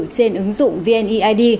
trên ứng dụng vneid